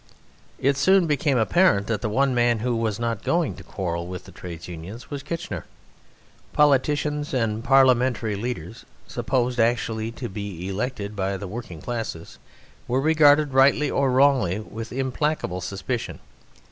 It soon became apparent that the one man who was not going to quarrel with the Trades Unions was Kitchener. Politicians and parliamentary leaders, supposed actually to be elected by the working classes, were regarded, rightly or wrongly, with implacable suspicion.